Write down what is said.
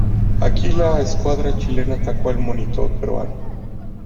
Aquí, la escuadra chilena atacó el monitor peruano.